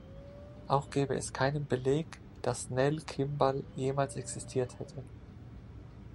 Auch gäbe es keinen Beleg, das Nell Kimball jemals existiert hätte.